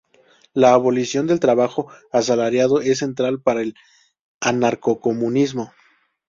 La abolición del trabajo asalariado es central para el anarcocomunismo.